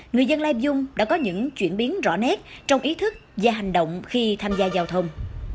người dân lai dung đã có những chuyển biến rõ nét trong ý thức và hành động khi tham gia giao thông